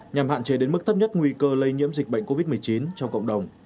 nhằm hạn chế đến mức thấp nhất nguy cơ lây nhiễm dịch bệnh covid một mươi chín trong cộng đồng